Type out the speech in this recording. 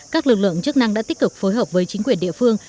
các lực lượng chức năng đã tích cực phối hợp với chính quyền địa phương